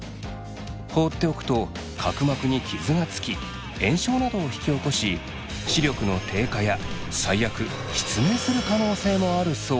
放っておくと角膜に傷がつき炎症などを引き起こし視力の低下や最悪失明する可能性もあるそう。